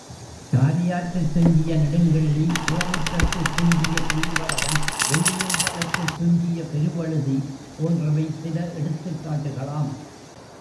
காரியாற்றுத் துஞ்சிய நெடுங்கிள்ளி, குளமுற்றத்துத் துஞ்சிய கிள்ளிவளவன், வெள்ளி யம்பலத்துத் துஞ்சிய பெருவழுதி போன்றவை சில எடுத்துக் காட்டுகளாம்.